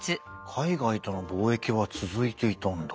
海外との貿易は続いていたんだ。